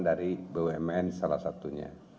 dari bumn salah satunya